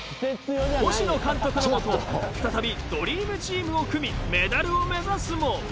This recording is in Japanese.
星野監督のもと再びドリームチームを組みメダルを目指すも。